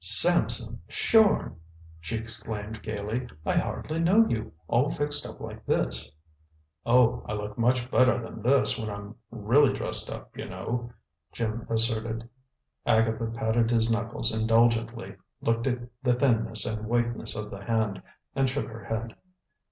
"Samson shorn!" she exclaimed gaily. "I hardly know you, all fixed up like this." "Oh, I look much better than this when I'm really dressed up, you know," Jim asserted. Agatha patted his knuckles indulgently, looked at the thinness and whiteness of the hand, and shook her head.